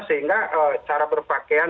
sehingga cara berpakaian